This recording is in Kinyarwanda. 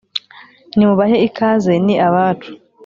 nimubahe ikaze ni abacu